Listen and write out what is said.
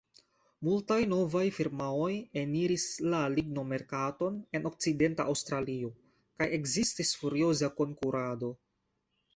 Multaj novaj firmaoj eniris la ligno-merkaton en Okcidenta Aŭstralio, kaj ekzistis furioza konkurado.